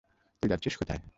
তুই যাচ্ছিস কোথায়?